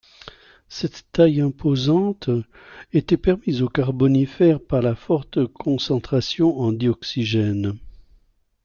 Cette taille imposante était permise au Carbonifère par la forte concentration en dioxygène.